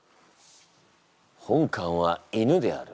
本官は犬である。